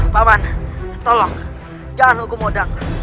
paman tolong jangan hukum undang